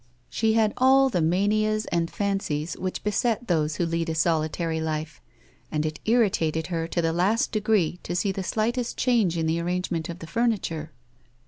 She had all the manias and fancies which beset those who lead a solitary life, and it irritated her to the last degree to see the slightest change in the arrangement of the furniture.